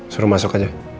suruh masuk aja